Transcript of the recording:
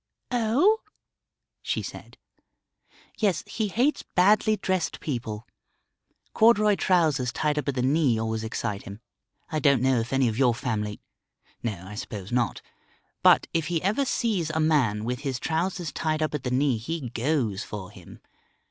"Oh?" she said. "Yes, he hates badly dressed people. Corduroy trousers tied up at the knee always excite him. I don't know if any of your family no, I suppose not. But if he ever sees a man with his trousers tied up at the knee he goes for him.